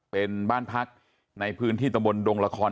เป็นบ้านพลักษณ์ในพื้นที่ตะบลดงระคอน